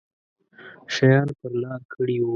شیان پر لار کړي وو.